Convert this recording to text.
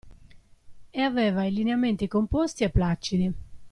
E aveva i lineamenti composti e placidi.